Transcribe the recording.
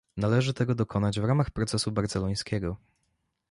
Należy tego dokonać w ramach procesu barcelońskiego